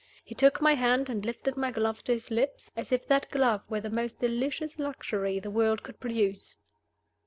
He took my hand and lifted my glove to his lips, as if that glove were the most delicious luxury the world could produce.